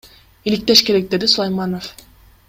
Иликтеш керек, — деди Сулайманов.